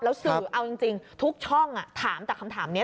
แล้วสื่อเอาจริงทุกช่องถามแต่คำถามนี้